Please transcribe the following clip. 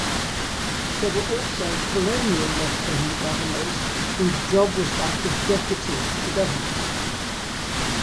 There were also colonial Lieutenant-Governors whose job was that of deputy to the Governor.